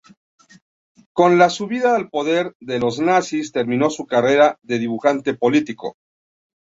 Con la subida al poder de los nazis terminó su carrera de dibujante político.